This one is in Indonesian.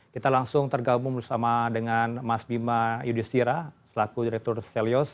kita langsung tergabung bersama dengan mas bima yudhistira selaku direktur selyos